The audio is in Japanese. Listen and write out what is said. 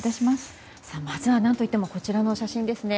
まずは、何といってもこちらの写真ですね。